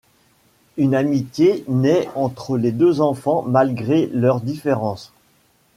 Une amitié naît entre les deux enfants malgré leurs différences.